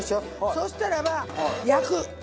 そうしたらば焼く。